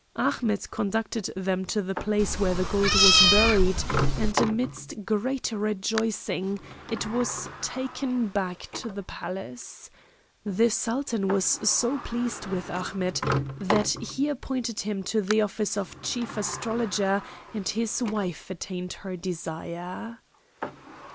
Ahmet conducted them to the place where the gold was buried, and amidst great rejoicing it was taken back to the Palace. The Sultan was so pleased with Ahmet, that he appointed him to the office of Chief Astrologer, and his wife attained her desire.